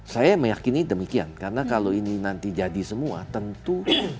saya meyakini demikian karena kalau ini nanti jadi semua tentu